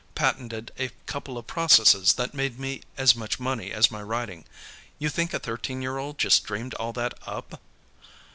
Patented a couple of processes that made me as much money as my writing. You think a thirteen year old just dreamed all that up?